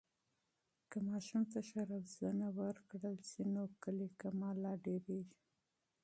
که ماشوم ته ښه روزنه ورکړل سي، نو کلی کمال لا ډېرېږي.